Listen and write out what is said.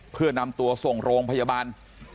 เพื่อนำตัวส่งโรงพยาบาล